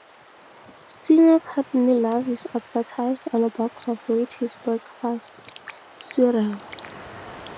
Singer Courtney Love is advertised on a box of Wheaties breakfast cereal.